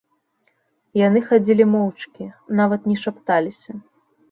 Яны хадзілі моўчкі, нават не шапталіся.